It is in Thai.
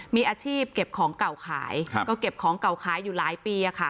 มีอาชีพเก็บของเก่าขายก็เก็บของเก่าขายอยู่หลายปี